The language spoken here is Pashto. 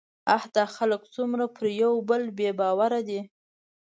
اه! دا خلک څومره پر يوبل بې باوره دي